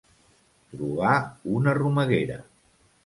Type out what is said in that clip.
Trobar una romeguera.